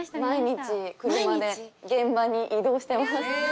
毎日車で現場に移動してます。